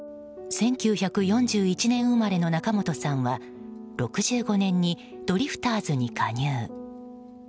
１９４１年生まれの仲本さんは６５年にドリフターズに加入。